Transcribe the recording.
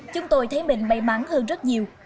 chúng tôi thấy mình may mắn hơn rất nhiều